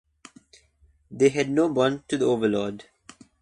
They had no bond to the overlord.